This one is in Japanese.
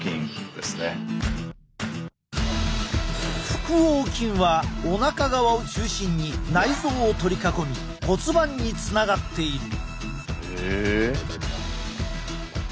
腹横筋はおなか側を中心に内臓を取り囲み骨盤につながっている。